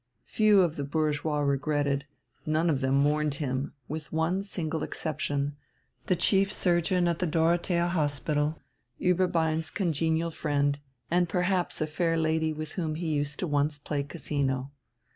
Few of the bourgeois regretted, none of them mourned him with one single exception, the chief surgeon at the Dorothea Hospital, Ueberbein's congenial friend, and perhaps a fair lady with whom he used once to play Casino.